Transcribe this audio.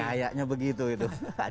kayaknya begitu itu